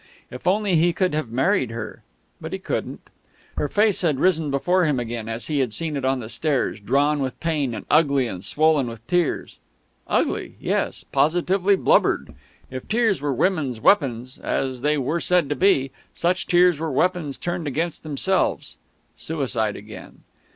If only he could have married her!... But he couldn't. Her face had risen before him again as he had seen it on the stairs, drawn with pain and ugly and swollen with tears. Ugly yes, positively blubbered; if tears were women's weapons, as they were said to be, such tears were weapons turned against themselves ... suicide again....